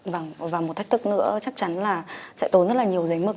vâng và một thách thức nữa chắc chắn là sẽ tốn rất là nhiều giấy mực